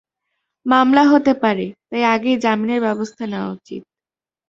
মামলা হতে পারে, তাই আগেই জামিনের ব্যবস্থা নেওয়া উচিত।